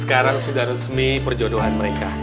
sekarang sudah resmi perjodohan mereka